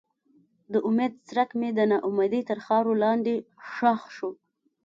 د امید څرک مې د ناامیدۍ تر خاورو لاندې ښخ شو.